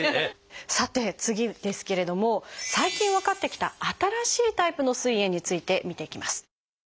さて次ですけれども最近分かってきた新しいタイプのすい炎について見ていきます。